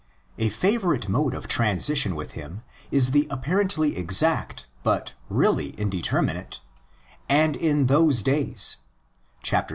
A favourite mode of transition with him is the apparently exact but really indeter minate—'' And in those days"' (vi.